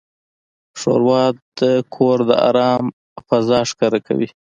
ښوروا د کور د آرام فضا ښکاره کوي.